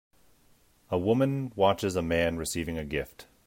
A woman watches a man recieving a gift.